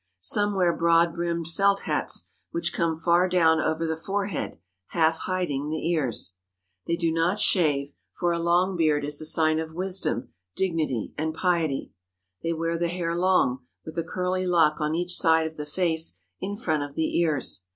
Some wear broad brimmed felt hats which come far down over the forehead, half hiding the ears. They do not shave, for a long beard is a sign of wisdom, dignity, and piety. They wear the hair long, with a curly lock on each side of the face, in front of the ears.